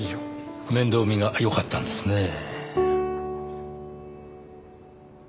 面倒見がよかったんですねぇ。